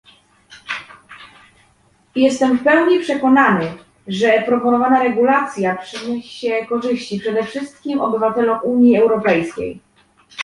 Jestem w pełni przekonany, że proponowana regulacja przyniesie korzyści, przede wszystkim obywatelom Unii Europejskiej